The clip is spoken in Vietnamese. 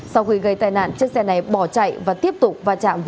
sau khi gây tai nạn chiếc xe này bỏ chạy và tiếp tục